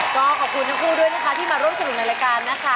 ก็ขอบคุณทั้งคู่ด้วยนะคะที่มาร่วมสนุกในรายการนะคะ